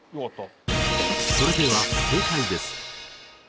それでは正解です。